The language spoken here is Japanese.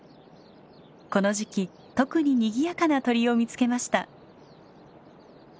この時期特ににぎやかな鳥を見つけました。